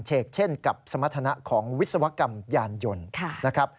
เฉกเช่นกับสมรรถนะของวิศวกรรมยานยนต์